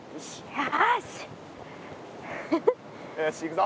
よしいくぞ！